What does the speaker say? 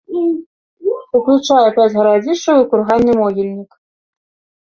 Уключае пяць гарадзішчаў і курганны могільнік.